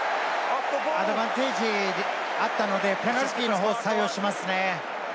アドバンテージがあったので、ペナルティーのほうを採用しますね。